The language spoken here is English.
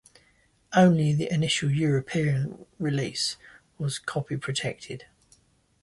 Only the initial European release was copy-protected.